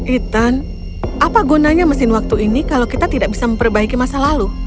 ethan apa gunanya mesin waktu ini kalau kita tidak bisa memperbaiki masa lalu